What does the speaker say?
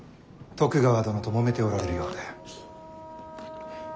徳川殿ともめておられるようで。